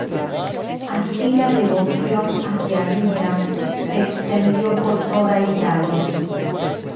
Así la devoción hacia Rita se extendió por toda Italia.